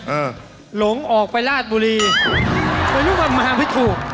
เออหลงออกไปราดบุรีวันนี้มันมาไม่ถูก